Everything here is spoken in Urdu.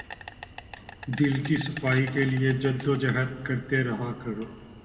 دل کی صفائی کے لیے جد و جہد کرتے رہا کرو